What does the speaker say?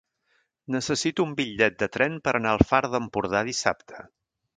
Necessito un bitllet de tren per anar al Far d'Empordà dissabte.